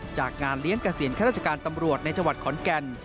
จากงานเลี้ยงเกษียณข้าราชการตำรวจในจังหวัดขอนแก่น